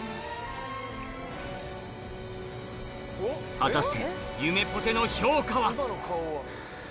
果たしてゆめぽての評価は？